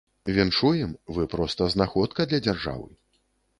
Віншуем, вы проста знаходка для дзяржавы.